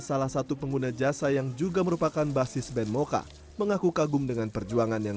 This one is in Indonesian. salah satu pengguna jasa yang juga merupakan basis band mocha mengaku kagum dengan perjuangan yang